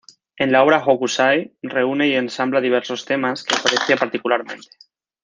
En la obra Hokusai reúne y ensambla diversos temas que aprecia particularmente.